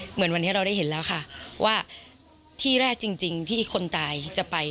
เหมือนวันนี้เราได้เห็นแล้วค่ะว่าที่แรกจริงที่คนตายจะไป